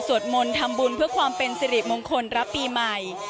มนต์ทำบุญเพื่อความเป็นสิริมงคลรับปีใหม่